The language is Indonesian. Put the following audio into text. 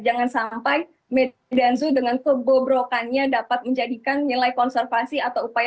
jangan sampai media zoo dengan kebobrokannya dapat menjadikan nilai konservasi atau upaya